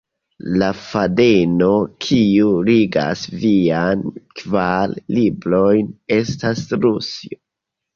La fadeno kiu ligas viajn kvar librojn estas Rusio.